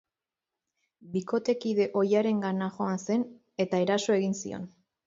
Bikotekide ohiarengana joan zen, eta eraso egin zion.